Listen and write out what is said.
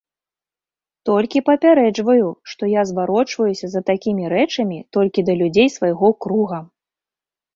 Толькі папярэджваю, што я зварочваюся за такімі рэчамі толькі да людзей свайго круга.